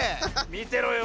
みてろよ！